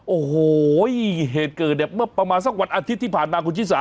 โอ้โหเหตุเกิดพอมาสักวันอาทิตย์ที่ผ่านมาคุณชิสา